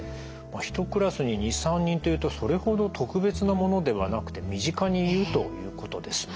１クラスに２３人というとそれほど特別なものではなくて身近にいるということですね。